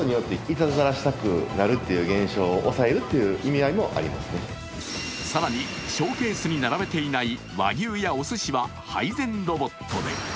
ここにも狙いが更にショーケースに並べていない和牛やおすしは配膳ロボットで。